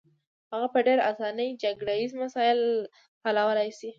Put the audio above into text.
هغه په ډېره اسانۍ جګړه ییز مسایل حلولای شي.